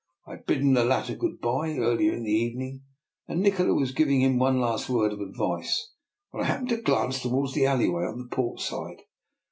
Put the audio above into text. I had bidden the latter good bye ear lier in the evening, and Nikola was giving him one last word of advice, when I happened to glance toward the alleyway on the port side.